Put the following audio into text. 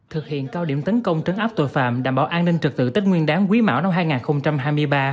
thực hiện cao điểm tấn công trấn áp tội phạm đảm bảo an ninh trực tự tích nguyên đáng quý mão năm hai nghìn hai mươi ba